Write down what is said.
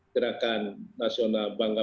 gerakan nasional bangga